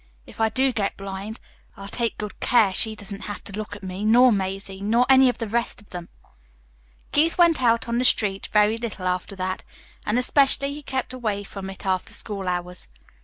If I do get blind, I'll take good care she don't have to look at me, nor Mazie, nor any of the rest of them." Keith went out on the street very little after that, and especially he kept away from it after school hours.